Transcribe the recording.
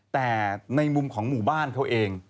แต่ในมุมของหมู่บ้านเขาเอง